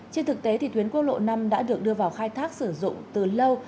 trên thực tế thì tuyến quốc lộ năm đã được đưa vào khai thác sử dụng từ lâu